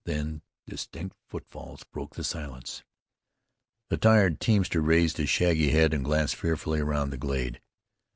Then distinct footfalls broke the silence. The tired teamster raised his shaggy head and glanced fearfully around the glade.